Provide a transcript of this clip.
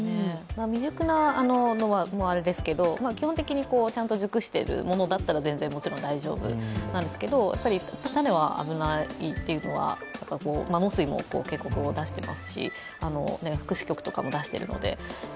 未熟なのはあれですけど基本的にちゃんと熟しているものだったら、もちろん大丈夫なんですけど、種は危ないっていうのは農水も結構出しているし福祉局も出しているので。